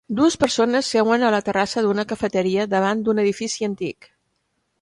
Dues persones seuen a la terrassa d'una cafeteria davant d'un edifici antic.